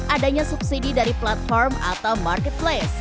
adanya subsidi dari platform atau marketplace